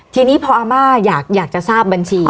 ทีนี้พออาม่าอยากจะทราบบัญชี